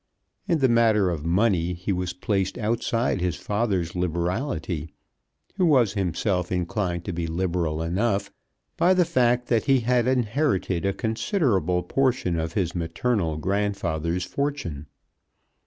In the matter of money he was placed outside his father's liberality, who was himself inclined to be liberal enough, by the fact that he had inherited a considerable portion of his maternal grandfather's fortune.